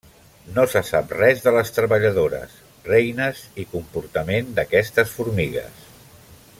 No se sap res de les treballadores, reines i comportament d'aquestes formigues.